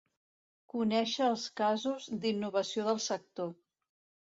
Conèixer els casos d'innovació del sector.